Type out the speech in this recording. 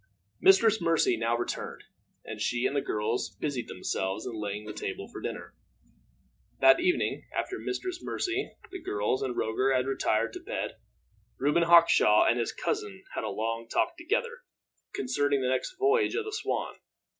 Mistress Mercy now returned, and she and the girls busied themselves in laying the table for dinner. That evening, after Mistress Mercy, the girls, and Roger had retired to bed, Reuben Hawkshaw and his cousin had a long talk together, concerning the next voyage of the Swan.